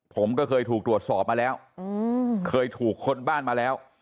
ผมก็เคยถูกตรวจสอบมาแล้วเคยถูกคนบ้านมาแล้ว